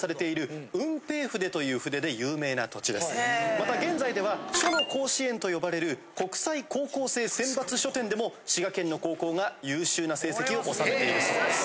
また現在では書の甲子園と呼ばれる国際高校生選抜書展でも滋賀県の高校が優秀な成績を納めているそうです。